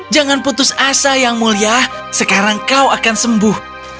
jangan putus asa yang mulia sekarang kau akan sembuh